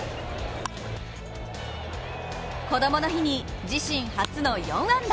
こどもの日に自身初の４安打。